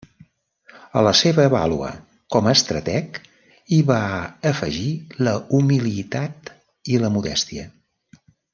A la seva vàlua com a estrateg hi va afegir la humilitat i la modèstia.